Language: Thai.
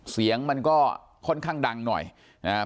เสียงมันก็ค่อนข้างดังหน่อยนะครับ